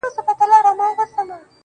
خپلې ځالې په ځانګړو ډولونو پسولي